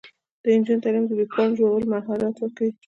د نجونو تعلیم د ویب پاڼو جوړولو مهارت ورکوي.